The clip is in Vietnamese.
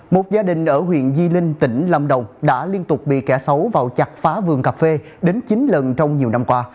một gia đình ở huyện di linh tỉnh lâm đồng đã liên tục bị kẻ xấu vào chặt phá vườn cà phê đến chín lần trong nhiều năm qua